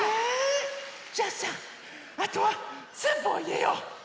じゃあさあとはスープをいれよう。